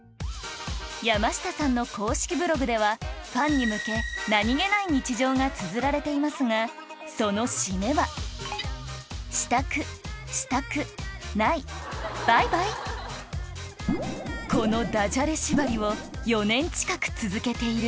山下さんの公式ブログではファンに向け何げない日常がつづられていますがその締めはこのダジャレ縛りを４年近く続けている